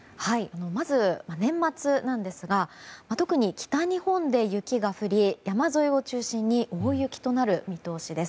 まず年末ですが特に北日本で雪が降り山沿いを中心に大雪となる見通しです。